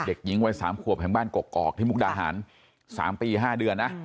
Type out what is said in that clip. เด็กหญิงวัย๓ขวบแห่งบ้านกกอกที่มุกดาหาร๓ปี๕เดือนนะ